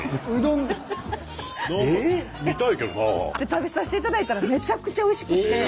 食べさせていただいたらめちゃくちゃおいしくて。